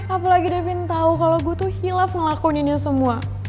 apalagi davin tau kalo gue tuh hilaf ngelakuin ini semua